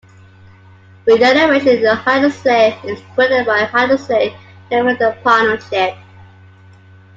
Regeneration in Hattersley is coordinated by Hattersley Neighbourhood Partnership.